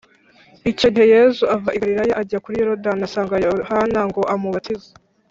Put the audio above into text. Icyo gihe Yesu ava i Galilaya ajya kuri Yorodani, asanga Yohana ngo amubatize.